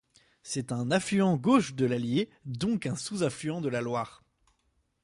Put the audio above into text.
C'est un affluent gauche de l'Allier, donc un sous-affluent de la Loire.